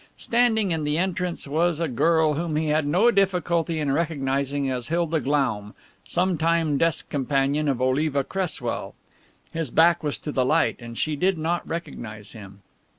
Standing in the entrance was a girl whom he had no difficulty in recognizing as Hilda Glaum, sometime desk companion of Oliva Cresswell. His back was to the light and she did not recognize him.